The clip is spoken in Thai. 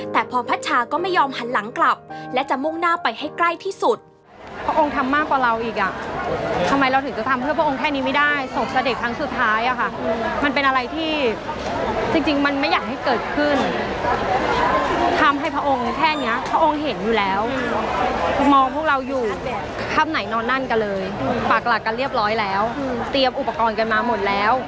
แต่พรพัชาก็ไม่ยอมหันหลังกลับและจะมุ่งหน้าไปให้ใกล้ที่สุด